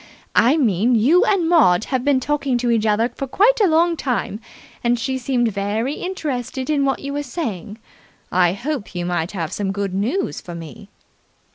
I mean you and Maud have been talking to each other for quite a long time, and she seemed very interested in what you were saying. I hoped you might have some good news for me."